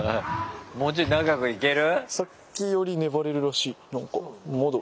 もうちょい長くいける？